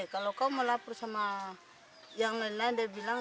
kalau kau mau lapor sama yang lain lain